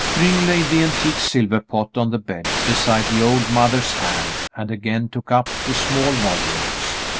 Thryng laid the antique silver pot on the bed beside the old mother's hand and again took up the small volumes.